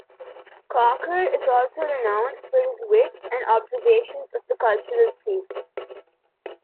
Cocker is also renowned for his wit and observations of the cultural scene.